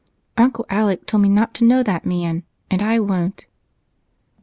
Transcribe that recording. Uncle Alec told me not to know that man, and I won't."